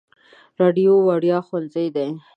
راډیو وړیا ښوونځی دی.